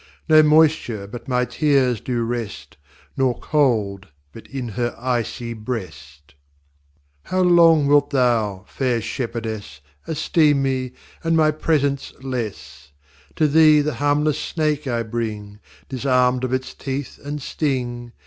No moisture but my Tears do rest, Nor Cold but in her Icy Breast. V How long wilt Thou, fair Shepheardess, Esteem me, and my Presents less? To Thee the harmless Snake I bring, Disarmed of its teeth and sting.